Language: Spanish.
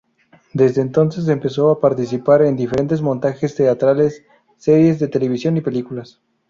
Desde entonces empezó a participar en diferentes montajes teatrales, series de televisión y películas.